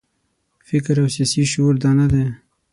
فکر او سیاسي شعور دا نه دی.